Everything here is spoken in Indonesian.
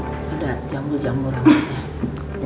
ada jambul jambul sama dia